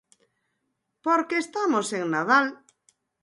Porque estamos en Nadal.